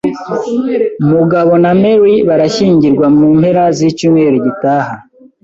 Mugabona Mary barashyingirwa mu mpera z'icyumweru gitaha.